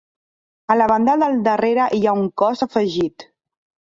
A la banda del darrere hi ha un cos afegit.